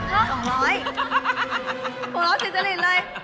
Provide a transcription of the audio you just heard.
ห้า๒๐๐ผมรู้เสียจริงเลย